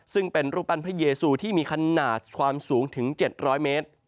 ซึ่งเป็นรูปปั้นพระเยซูที่มีขนาดความสูงถึง๗๐๐เมตร